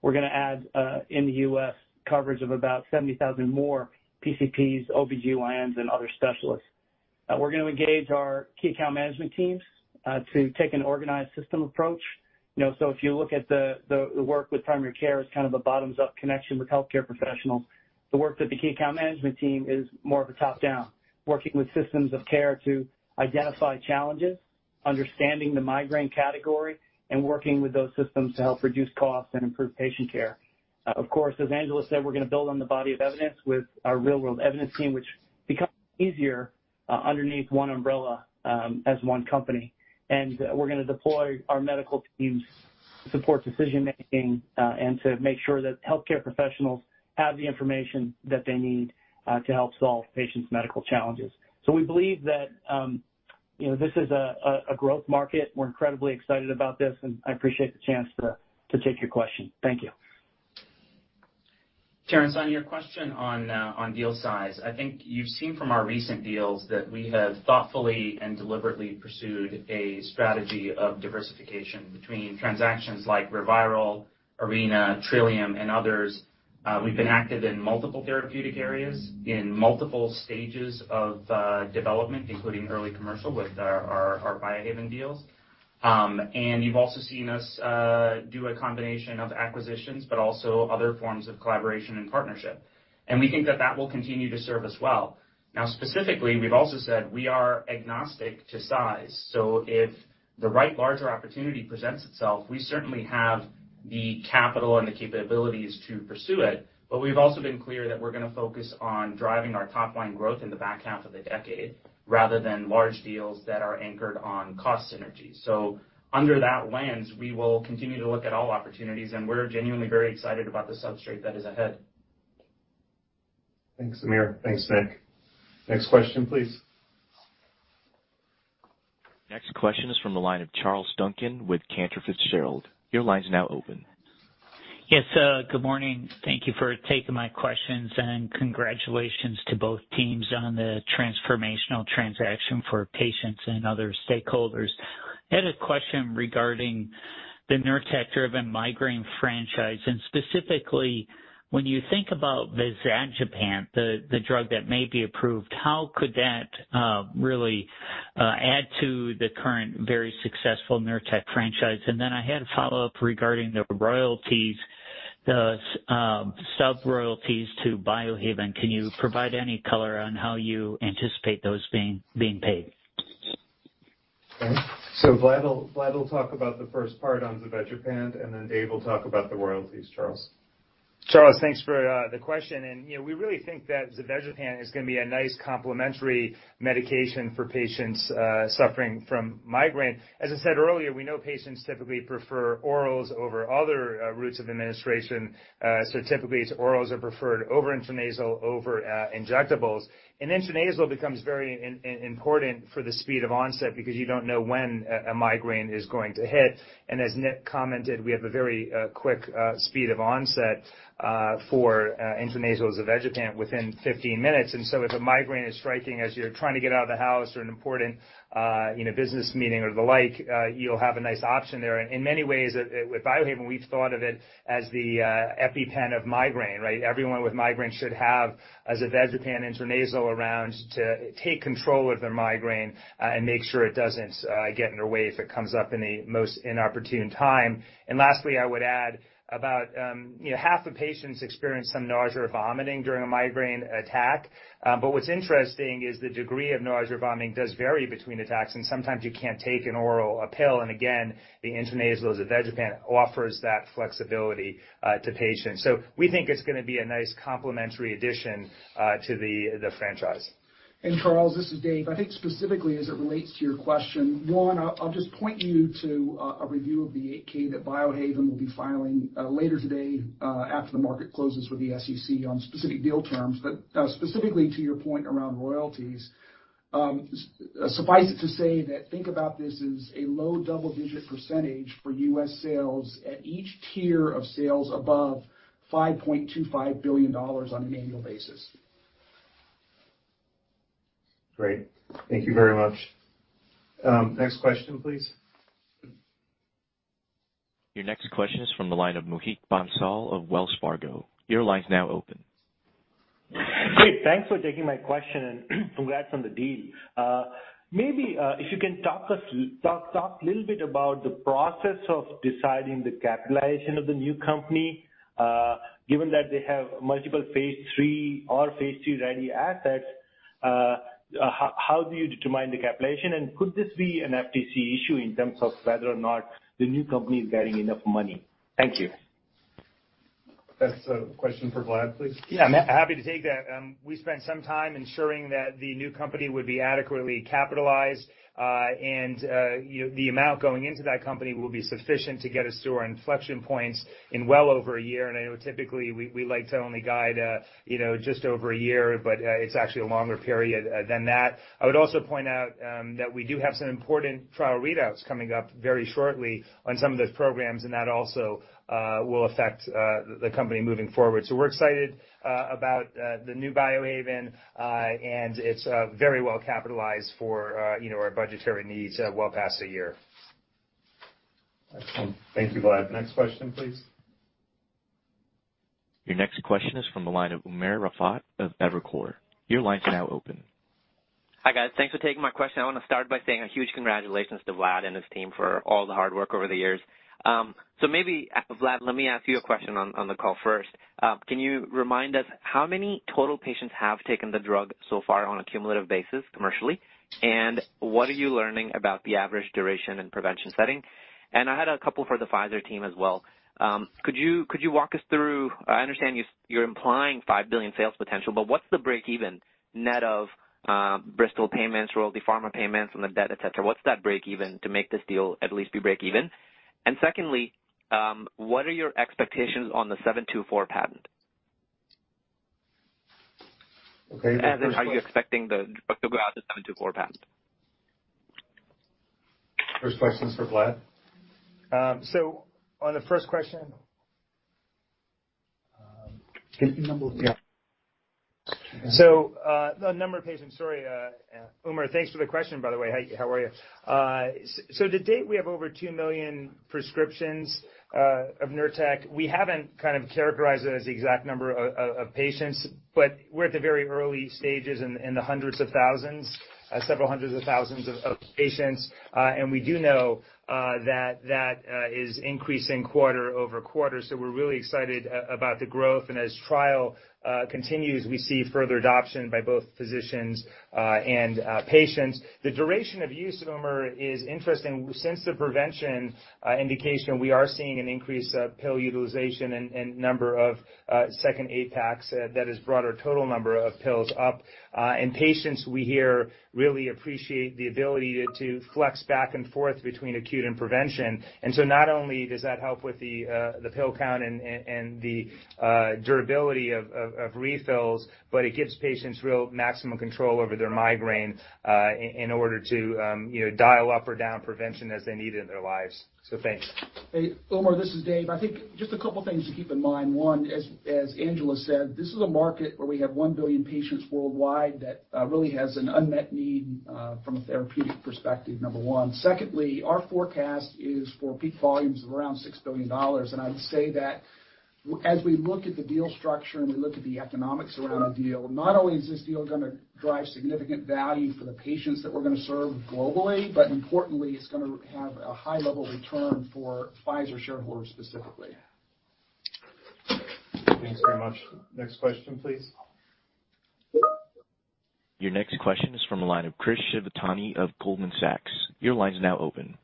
We're gonna add in the US coverage of about 70,000 more PCPs, OBGYNs, and other specialists. We're gonna engage our key account management teams to take an organized system approach. You know, so if you look at the work with primary care as kind of a bottoms-up connection with healthcare professionals, the work that the key account management team is more of a top-down. Working with systems of care to identify challenges, understanding the migraine category, and working with those systems to help reduce costs and improve patient care. Of course, as Angela said, we're gonna build on the body of evidence with our real world evidence team, which becomes easier, underneath one umbrella, as one company. We're gonna deploy our medical teams to support decision-making, and to make sure that healthcare professionals have the information that they need, to help solve patients' medical challenges. We believe that, you know, this is a growth market. We're incredibly excited about this, and I appreciate the chance to take your question. Thank you. Terence, on your question on deal size, I think you've seen from our recent deals that we have thoughtfully and deliberately pursued a strategy of diversification between transactions like ReViral, Arena, Trillium, and others. We've been active in multiple therapeutic areas in multiple stages of development, including early commercial with our Biohaven deals. You've also seen us do a combination of acquisitions, but also other forms of collaboration and partnership. We think that that will continue to serve us well. Now, specifically, we've also said we are agnostic to size. So if the right larger opportunity presents itself, we certainly have the capital and the capabilities to pursue it, but we've also been clear that we're gonna focus on driving our top-line growth in the back half of the decade, rather than large deals that are anchored on cost synergies. Under that lens, we will continue to look at all opportunities, and we're genuinely very excited about the substrate that is ahead. Thanks, Aamir. Thanks, Nick. Next question, please. Next question is from the line of Charles Duncan with Cantor. Your line is now open. Yes, good morning. Thank you for taking my questions, and congratulations to both teams on the transformational transaction for patients and other stakeholders. I had a question regarding the Nurtec-driven migraine franchise, and specifically, when you think about the zavegepant, the drug that may be approved, how could that really add to the current very successful Nurtec franchise? I had a follow-up regarding the royalties, sub-royalties to Biohaven. Can you provide any color on how you anticipate those being paid? Okay. Vlad will talk about the first part on zavegepant, and then Dave will talk about the royalties, Charles. Charles, thanks for the question. You know, we really think that zavegepant is gonna be a nice complementary medication for patients suffering from migraine. As I said earlier, we know patients typically prefer orals over other routes of administration. Typically, it's orals are preferred over intranasal, over injectables. Intranasal becomes very important for the speed of onset because you don't know when a migraine is going to hit. As Nick commented, we have a very quick speed of onset for intranasal zavegepant within 15 minutes. If a migraine is striking as you're trying to get out of the house for an important, you know, business meeting or the like, you'll have a nice option there. In many ways, with Biohaven, we've thought of it as the EpiPen of migraine, right? Everyone with migraine should have a zavegepant intranasal around to take control of their migraine, and make sure it doesn't get in their way if it comes up in a most inopportune time. Lastly, I would add about, you know, half the patients experience some nausea or vomiting during a migraine attack. But what's interesting is the degree of nausea or vomiting does vary between attacks, and sometimes you can't take an oral pill. Again, the intranasal zavegepant offers that flexibility to patients. We think it's gonna be a nice complementary addition to the franchise. Charles, this is Dave. I think specifically as it relates to your question, I'll just point you to a review of the 8-K that Biohaven will be filing later today after the market closes with the SEC on specific deal terms. Specifically to your point around royalties, suffice it to say, think about this as a low double-digit % for U.S. sales at each tier of sales above $5.25 billion on an annual basis. Great. Thank you very much. Next question, please. Your next question is from the line of Mohit Bansal of Wells Fargo. Your line's now open. Great. Thanks for taking my question and congrats on the deal. Maybe, if you can talk a little bit about the process of deciding the capitalization of the new company, given that they have multiple phase 3 or phase 3-ready assets. How do you determine the capitalization? Could this be an FTC issue in terms of whether or not the new company is getting enough money? Thank you. That's a question for Vlad Coric, please. Yeah, I'm happy to take that. We spent some time ensuring that the new company would be adequately capitalized. You know, the amount going into that company will be sufficient to get us to our inflection points in well over a year. I know typically we like to only guide you know, just over a year, but it's actually a longer period than that. I would also point out that we do have some important trial readouts coming up very shortly on some of those programs, and that also will affect the company moving forward. We're excited about the new Biohaven, and it's very well capitalized for you know, our budgetary needs well past a year. Awesome. Thank you, Vlad. Next question, please. Your next question is from the line of Umer Raffat of Evercore. Your line's now open. Hi, guys. Thanks for taking my question. I wanna start by saying a huge congratulations to Vlad and his team for all the hard work over the years. Maybe Vlad, let me ask you a question on the call first. Can you remind us how many total patients have taken the drug so far on a cumulative basis commercially, and what are you learning about the average duration and prevention setting? I had a couple for the Pfizer team as well. Could you walk us through. I understand you're implying $5 billion sales potential, but what's the break even net of Bristol payments, Royalty Pharma payments on the debt, et cetera. What's that break even to make this deal at least be break even? Secondly, what are your expectations on the 724 patent? Okay, the first one. As in, are you expecting the drug to go out the '724 patent? First question's for Vlad. On the first question. The number of patients. Yeah. The number of patients. Sorry, Umer, thanks for the question, by the way. How are you? To date, we have over 2 million prescriptions of Nurtec. We haven't kind of characterized it as the exact number of patients, but we're at the very early stages in the hundreds of thousands, several hundreds of thousands of patients. We do know that is increasing quarter-over-quarter. We're really excited about the growth. As trial continues, we see further adoption by both physicians and patients. The duration of use, Umer, is interesting. Since the prevention indication, we are seeing an increase of pill utilization and number of second refills that has brought our total number of pills up. Patients we hear really appreciate the ability to flex back and forth between acute and prevention. Not only does that help with the pill count and the durability of refills, but it gives patients real maximum control over their migraine in order to you know dial up or down prevention as they need it in their lives. Thanks. Hey, Umer, this is Dave. I think just a couple of things to keep in mind. One, as Angela said, this is a market where we have 1 billion patients worldwide that really has an unmet need from a therapeutic perspective, number one. Secondly, our forecast is for peak volumes of around $6 billion. I'd say that as we look at the deal structure and we look at the economics around the deal, not only is this deal gonna drive significant value for the patients that we're gonna serve globally, but importantly, it's gonna have a high level return for Pfizer shareholders specifically. Thanks very much. Next question, please. Your next question is from the line of Chris Shibutani of Goldman Sachs. Your line is now open.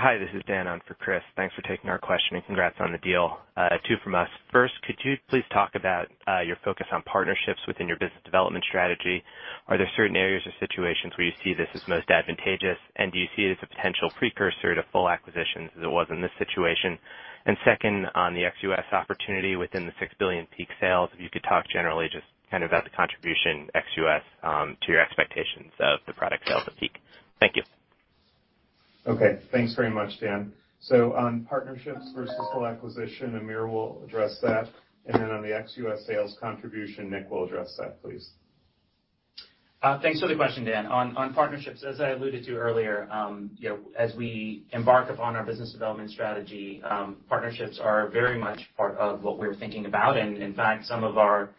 Hi, this is Dan on for Chris. Thanks for taking our question, and congrats on the deal. Two from us. First, could you please talk about your focus on partnerships within your business development strategy? Are there certain areas or situations where you see this as most advantageous? And do you see it as a potential precursor to full acquisitions as it was in this situation? And second, on the ex-US opportunity within the $6 billion peak sales, if you could talk generally just kind of about the contribution ex-US to your expectations of the product sales at peak. Thank you. Okay, thanks very much, Dan. On partnerships versus full acquisition, Aamir will address that. On the ex-US sales contribution, Nick will address that, please. Thanks for the question, Dan. On partnerships, as I alluded to earlier, you know, as we embark upon our business development strategy, partnerships are very much part of what we're thinking about. In fact, some of our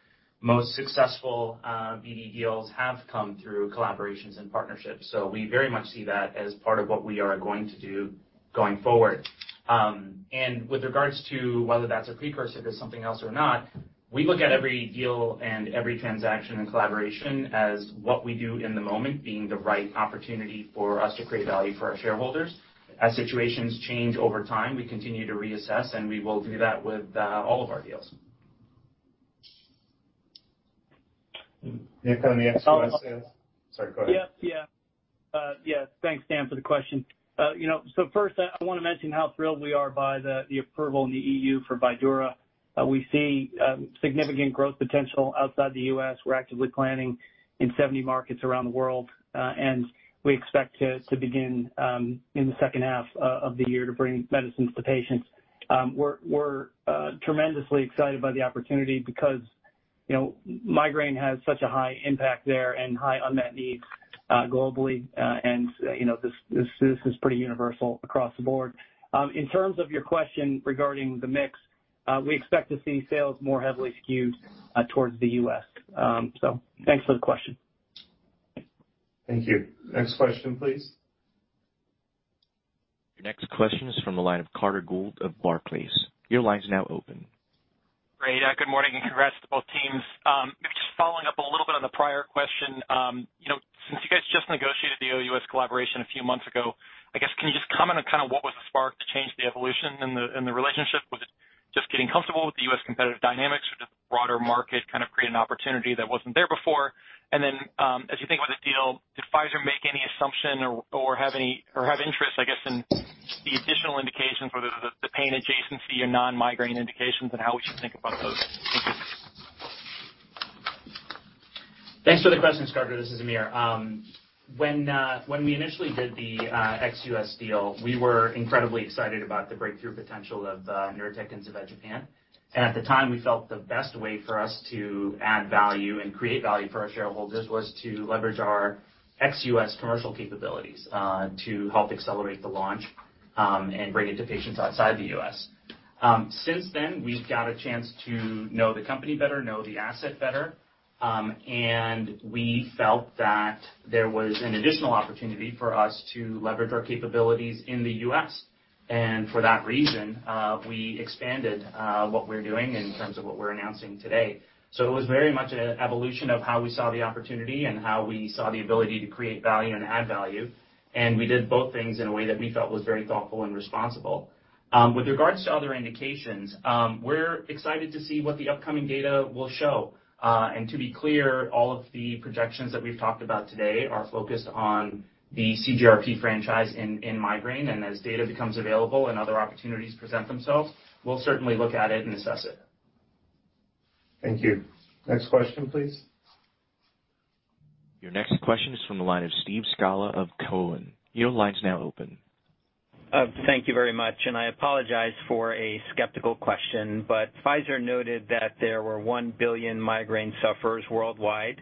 most successful BD deals have come through collaborations and partnerships. We very much see that as part of what we are going to do going forward. With regards to whether that's a precursor to something else or not, we look at every deal and every transaction and collaboration as what we do in the moment being the right opportunity for us to create value for our shareholders. As situations change over time, we continue to reassess, and we will do that with all of our deals. Nick, on the ex-US sales. Oh, I. Sorry, go ahead. Yeah. Thanks, Dan, for the question. You know, first, I wanna mention how thrilled we are by the approval in the EU for Vydura. We see significant growth potential outside the U.S. We're actively planning in 70 markets around the world, and we expect to begin in the second half of the year to bring medicines to patients. We're tremendously excited by the opportunity because, you know, migraine has such a high impact there and high unmet needs globally, and, you know, this is pretty universal across the board. In terms of your question regarding the mix, we expect to see sales more heavily skewed towards the U.S. Thanks for the question. Thank you. Next question, please. Your next question is from the line of Carter Gould of Barclays. Your line is now open. Great. Good morning and congrats to both teams. Maybe just following up a little bit on the prior question, you know, since you guys just negotiated the OUS collaboration a few months ago, I guess can you just comment on kind of what was the spark to change the evolution in the relationship? Was it just getting comfortable with the U.S. competitive dynamics or just broader market kind of create an opportunity that wasn't there before? As you think about the deal, did Pfizer make any assumption or have any interest, I guess, in the additional indications, whether the pain adjacency or non-migraine indications and how we should think about those? Thank you. Thanks for the questions, Carter. This is Aamir. When we initially did the ex-US deal, we were incredibly excited about the breakthrough potential of Nurtec and zavegepant. At the time, we felt the best way for us to add value and create value for our shareholders was to leverage our ex-US commercial capabilities to help accelerate the launch and bring it to patients outside the US. Since then, we've got a chance to know the company better, know the asset better, and we felt that there was an additional opportunity for us to leverage our capabilities in the US. For that reason, we expanded what we're doing in terms of what we're announcing today. It was very much an evolution of how we saw the opportunity and how we saw the ability to create value and add value. We did both things in a way that we felt was very thoughtful and responsible. With regards to other indications, we're excited to see what the upcoming data will show. To be clear, all of the projections that we've talked about today are focused on the CGRP franchise in migraine. As data becomes available and other opportunities present themselves, we'll certainly look at it and assess it. Thank you. Next question, please. Your next question is from the line of Steve Scala of Cowen. Your line is now open. Thank you very much, and I apologize for a skeptical question, but Pfizer noted that there were 1 billion migraine sufferers worldwide.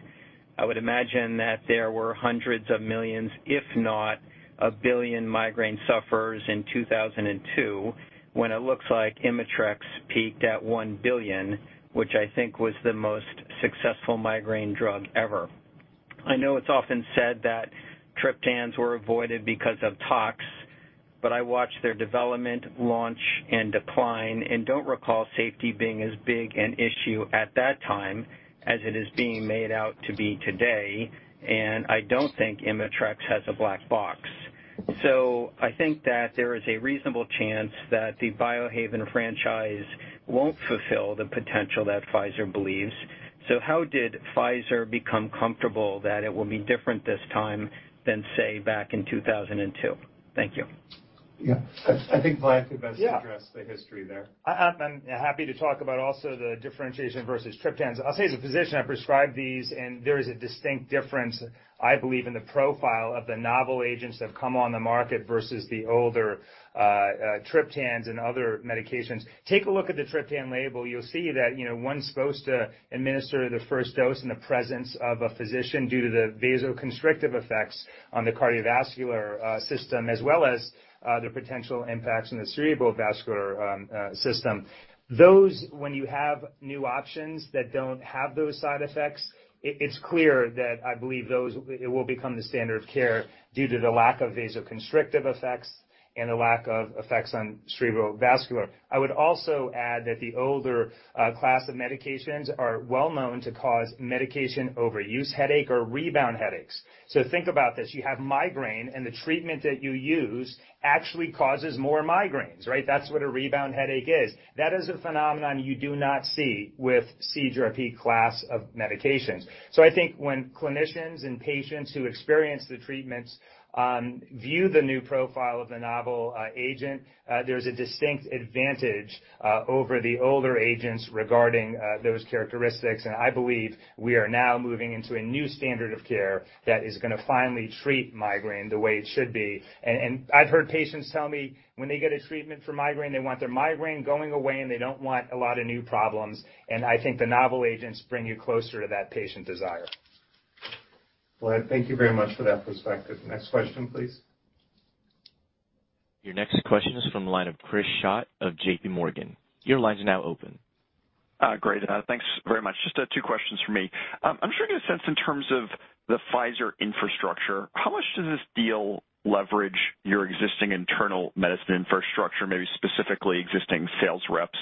I would imagine that there were hundreds of millions, if not a billion migraine sufferers in 2002, when it looks like Imitrex peaked at $1 billion, which I think was the most successful migraine drug ever. I know it's often said that triptans were avoided because of tox, but I watched their development, launch, and decline, and don't recall safety being as big an issue at that time as it is being made out to be today. I don't think Imitrex has a black box. I think that there is a reasonable chance that the Biohaven franchise won't fulfill the potential that Pfizer believes. How did Pfizer become comfortable that it will be different this time than, say, back in 2002? Thank you. Yeah. I think Vlad can best address the history there. I'm happy to talk about also the differentiation versus triptans. I'll say as a physician, I prescribe these, and there is a distinct difference, I believe, in the profile of the novel agents that have come on the market versus the older, triptans and other medications. Take a look at the triptan label. You'll see that, you know, one's supposed to administer the first dose in the presence of a physician due to the vasoconstrictive effects on the cardiovascular system, as well as the potential impacts in the cerebral vascular system. Those, when you have new options that don't have those side effects, it's clear that I believe those will become the standard of care due to the lack of vasoconstrictive effects and the lack of effects on cerebral vascular. I would also add that the older class of medications are well known to cause medication overuse headache or rebound headaches. Think about this. You have migraine, and the treatment that you use actually causes more migraines, right? That's what a rebound headache is. That is a phenomenon you do not see with CGRP class of medications. I think when clinicians and patients who experience the treatments, view the new profile of the novel agent, there's a distinct advantage over the older agents regarding those characteristics. I believe we are now moving into a new standard of care that is gonna finally treat migraine the way it should be. I've heard patients tell me when they get a treatment for migraine, they want their migraine going away, and they don't want a lot of new problems. I think the novel agents bring you closer to that patient desire. Vlad, thank you very much for that perspective. Next question, please. Your next question is from the line of Chris Schott of J.P. Morgan. Your line is now open. Great. Thanks very much. Just two questions from me. I'm sure you get a sense in terms of the Pfizer infrastructure. How much does this deal leverage your existing internal medicine infrastructure, maybe specifically existing sales reps?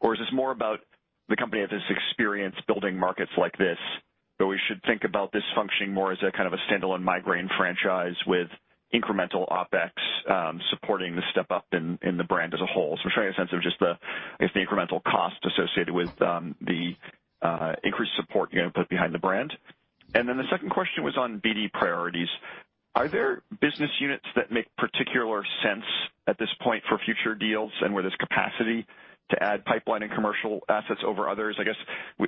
Or is this more about the company that has experience building markets like this, but we should think about this functioning more as a kind of a standalone migraine franchise with incremental OpEx supporting the step up in the brand as a whole. Just trying to get a sense of just the, I guess, the incremental cost associated with the increased support you're gonna put behind the brand. The second question was on BD priorities. Are there business units that make particular sense at this point for future deals and where there's capacity to add pipeline and commercial assets over others? I guess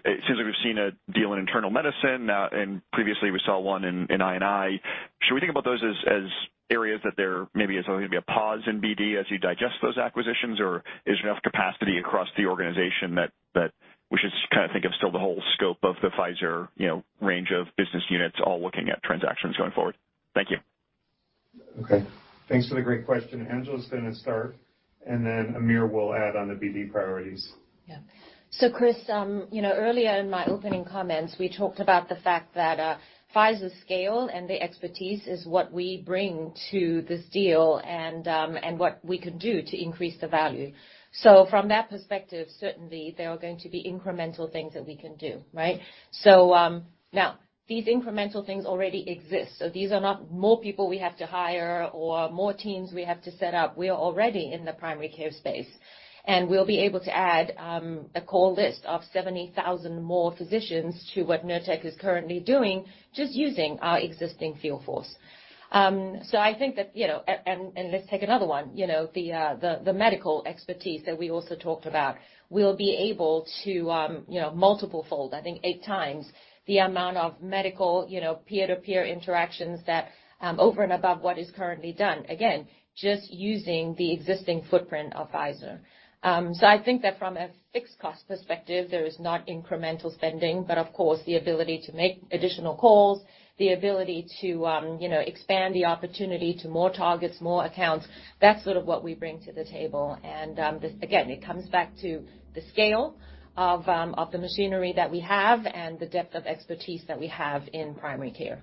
it seems like we've seen a deal in internal medicine. Previously we saw one in I&I. Should we think about those as areas that there maybe is going to be a pause in BD as you digest those acquisitions? Or is there enough capacity across the organization that we should kind of think of still the whole scope of the Pfizer, you know, range of business units all looking at transactions going forward? Thank you. Okay. Thanks for the great question. Angela's gonna start, and then Aamir will add on the BD priorities. Yeah. Chris, you know, earlier in my opening comments, we talked about the fact that, Pfizer's scale and the expertise is what we bring to this deal and what we can do to increase the value. From that perspective, certainly, there are going to be incremental things that we can do, right? Now these incremental things already exist. These are not more people we have to hire or more teams we have to set up. We are already in the primary care space, and we'll be able to add a call list of 70,000 more physicians to what Nurtec is currently doing, just using our existing field force. I think that, you know, and let's take another one, you know, the medical expertise that we also talked about. We'll be able to, you know, multiple-fold, I think eight times the amount of medical, you know, peer-to-peer interactions that, over and above what is currently done, again, just using the existing footprint of Pfizer. I think that from a fixed cost perspective, there is not incremental spending, but of course, the ability to make additional calls, the ability to, you know, expand the opportunity to more targets, more accounts, that's sort of what we bring to the table. This again, it comes back to the scale of the machinery that we have and the depth of expertise that we have in primary care.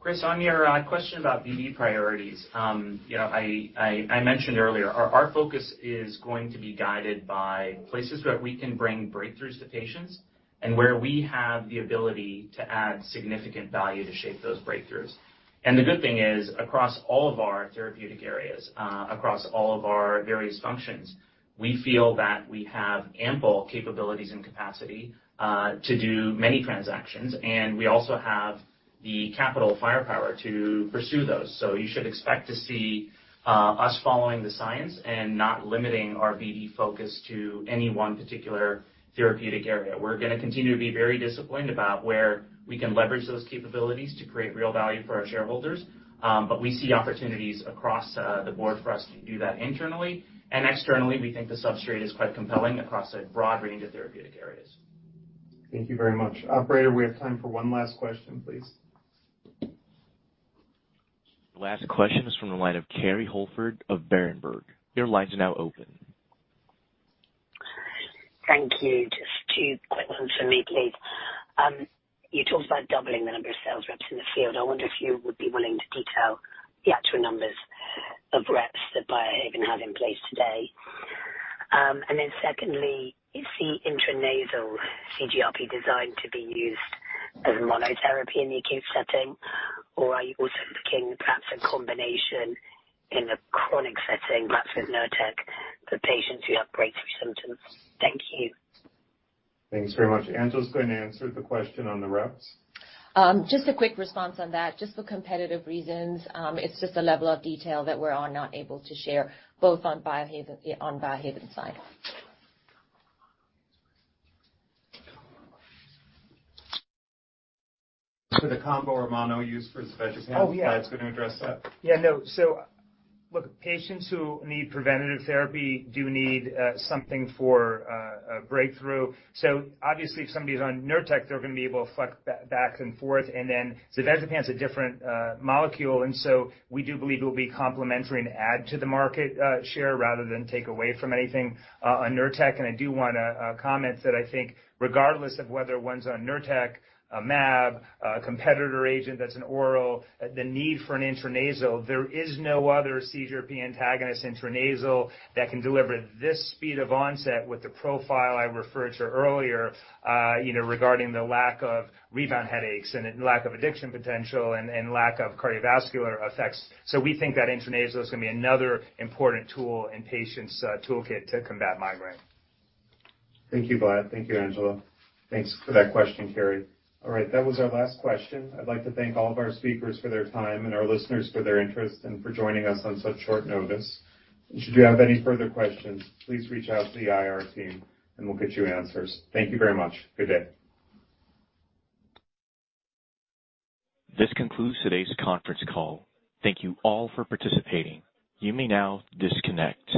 Chris, on your question about BD priorities. I mentioned earlier, our focus is going to be guided by places where we can bring breakthroughs to patients and where we have the ability to add significant value to shape those breakthroughs. The good thing is, across all of our therapeutic areas, across all of our various functions, we feel that we have ample capabilities and capacity to do many transactions, and we also have the capital firepower to pursue those. You should expect to see us following the science and not limiting our BD focus to any one particular therapeutic area. We're gonna continue to be very disciplined about where we can leverage those capabilities to create real value for our shareholders. We see opportunities across the board for us to do that internally and externally. We think the substrate is quite compelling across a broad range of therapeutic areas. Thank you very much. Operator, we have time for one last question, please. Last question is from the line of Kerry Holford of Berenberg. Your line is now open. Thank you. Just two quick ones for me, please. You talked about doubling the number of sales reps in the field. I wonder if you would be willing to detail the actual numbers of reps that Biohaven have in place today. And then secondly, is the intranasal CGRP designed to be used as monotherapy in the acute setting or are you also looking perhaps a combination in a chronic setting, perhaps with Nurtec, for patients who have breakthrough symptoms? Thank you. Thanks very much. Angela's going to answer the question on the reps. Just a quick response on that. Just for competitive reasons, it's just a level of detail that we are not able to share both on Biohaven side. For the combo or mono use for zavegepant. Oh, yeah. Vlad Coric's gonna address that. Yeah, no. Look, patients who need preventative therapy do need something for a breakthrough. Obviously, if somebody's on Nurtec, they're gonna be able to flex back and forth. Zavegepant's a different molecule. We do believe it will be complementary and add to the market share rather than take away from anything on Nurtec. I do wanna comment that I think regardless of whether one's on Nurtec, an mAb, a competitor agent that's an oral, the need for an intranasal. There is no other CGRP antagonist intranasal that can deliver this speed of onset with the profile I referred to earlier, you know, regarding the lack of rebound headaches and lack of addiction potential and lack of cardiovascular effects. We think that intranasal is gonna be another important tool in patients' toolkit to combat migraine. Thank you, Vlad. Thank you, Angela. Thanks for that question, Kerry. All right. That was our last question. I'd like to thank all of our speakers for their time and our listeners for their interest and for joining us on such short notice. Should you have any further questions, please reach out to the IR team and we'll get you answers. Thank you very much. Good day. This concludes today's conference call. Thank you all for participating. You may now disconnect.